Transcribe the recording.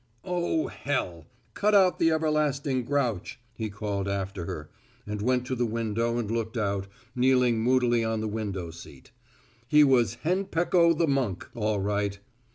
"Oh, hell! cut out the everlasting grouch," he called after her, and went to the window and looked out, kneeling moodily on the window seat. He was Henpecko the Monk, all right.